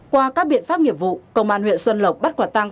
qua các biện pháp nghiệp vụ công an huyện xuân lộc bắt quả tăng